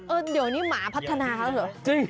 เอ่อเดี๋ยวนี้หมาพัฒนาหรือ